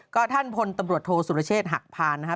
ก็ท่านพลตำรวจโทษสุรเชษฐ์หักพานนะครับ